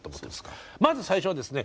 まず最初はですね